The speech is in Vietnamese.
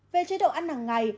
về chế độ ăn hàng ngày